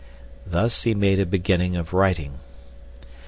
Thus he made a beginning of writing.